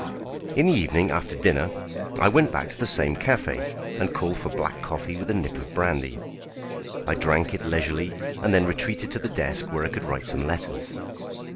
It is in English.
In the evening, after dinner, I went back to the same café and called for black coffee with a nip of brandy. I drank it leisurely, and then retreated to the desk where I could write some letters.